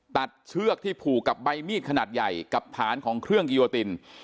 เชือกที่ผูกกับใบมีดขนาดใหญ่กับฐานของเครื่องกิโยติน